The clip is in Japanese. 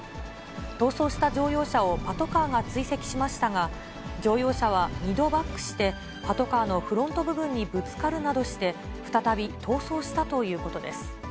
逃走した乗用車をパトカーが追跡しましたが、乗用車は２度バックして、パトカーのフロント部分にぶつかるなどして、再び逃走したということです。